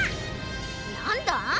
なんだ？